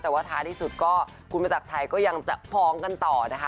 แต่ว่าท้ายที่สุดก็คุณประจักรชัยก็ยังจะฟ้องกันต่อนะคะ